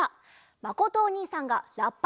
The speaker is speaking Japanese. まことおにいさんがラッパ！？